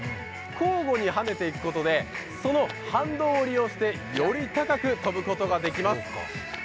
交互に跳ねていくことでその反動を利用してより高く跳ぶことができます。